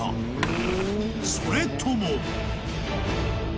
［それとも］